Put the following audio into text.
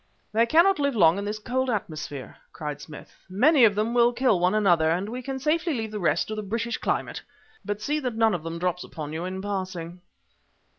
"They cannot live long in this cold atmosphere," cried Smith. "Many of them will kill one another and we can safely leave the rest to the British climate. But see that none of them drops upon you in passing."